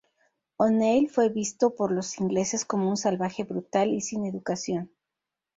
O'Neill fue visto por los ingleses como un salvaje brutal y sin educación.